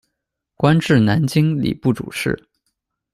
官至南京礼部主事。